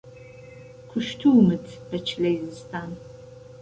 کوشتومت به چلهی زستان